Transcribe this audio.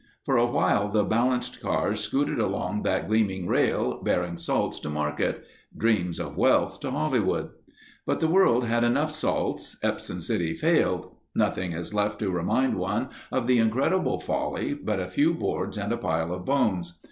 For awhile the balanced cars scooted along that gleaming rail, bearing salts to market—dreams of wealth to Hollywood. But the world had enough salts, Epsom City failed. Nothing is left to remind one of the incredible folly but a few boards and a pile of bones.